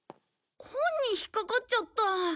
本に引っかかっちゃった。